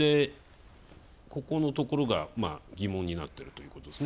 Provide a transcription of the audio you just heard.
ここのところが、疑問になってるということですね。